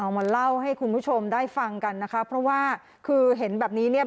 มาเล่าให้คุณผู้ชมได้ฟังกันนะคะเพราะว่าคือเห็นแบบนี้เนี่ย